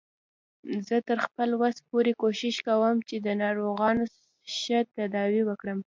زه تر خپل وس پورې کوښښ کوم چې د ناروغانو ښه تداوی وکړم